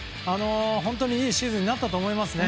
本当にいいシーズンになったと思いますね。